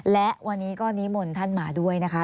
และวันนี้ก็นิมนต์ท่านมาด้วยนะคะ